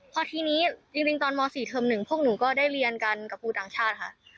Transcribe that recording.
พอทีนี้จริงตอนม๔เทอม๑พวกหนูก็ได้เรียนกันกับครูต่างชาติค่ะ